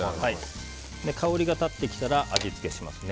香りが立ってきたら味付けしますね。